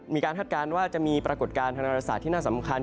มีการทัดการณ์ว่าจะมีปรากฏการณ์ทางดารสาทที่น่าสำคัญ